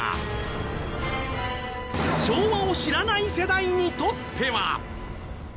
昭和を知らない世代にとっては。